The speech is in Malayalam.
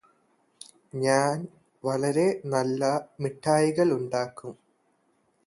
ഞാന് വളരെ നല്ല മിഠായികളുണ്ടാക്കും